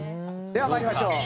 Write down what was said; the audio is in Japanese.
では参りましょう。